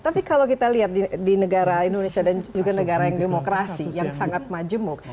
tapi kalau kita lihat di negara indonesia dan juga negara yang demokrasi yang sangat majemuk